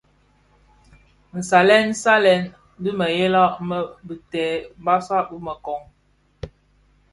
Nsalèn salèn dhi mëghèla më bitè, basag dhi měkoň,